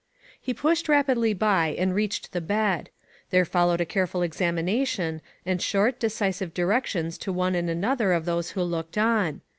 He pushed rapidly by and reached the bed. There followed a careful examination, and short, decisive directions to one and another of those who looked on.